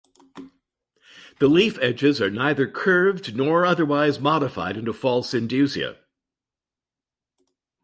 The leaf edges are neither curved under nor otherwise modified into false indusia.